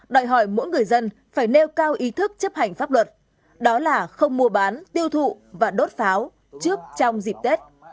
đòi hỏi mỗi người dân phải nêu cao ý thức chấp hành pháp luật đó là không mua bán tiêu thụ và đốt pháo trước trong dịp tết